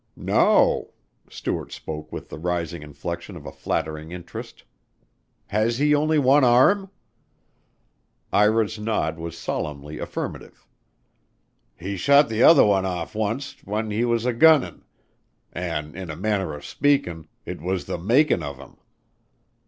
"No!" Stuart spoke with the rising inflection of a flattering interest. "Has he only one arm?" Ira's nod was solemnly affirmative. "He shot the other one off oncet while he was a gunnin' and, in a manner of speakin', it was the makin' of him.